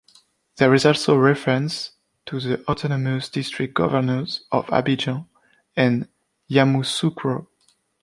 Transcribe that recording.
There is also reference to the autonomous district governors of Abidjan and Yamoussoukro.